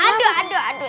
aduh aduh aduh